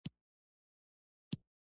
احمد د خپل پير لاس نيولی دی.